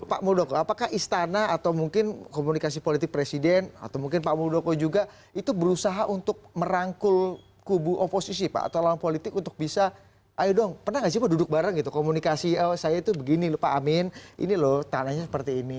pak muldoko apakah istana atau mungkin komunikasi politik presiden atau mungkin pak muldoko juga itu berusaha untuk merangkul kubu oposisi pak atau lawan politik untuk bisa ayo dong pernah nggak sih pak duduk bareng gitu komunikasi saya itu begini pak amin ini loh tanahnya seperti ini